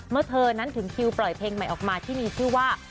เมื่อเธอนั้นถึงคิวปล่อยเพลงใหม่ออกมาที่มีชื่อว่า